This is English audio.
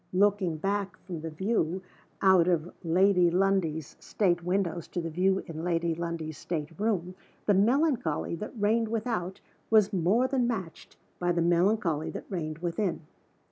Looking back from the view out of Lady Lundie's state windows to the view in Lady Lundie's state room, the melancholy that reigned without was more than matched by the melancholy that reigned within.